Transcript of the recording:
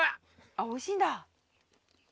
あっおいしいんだ。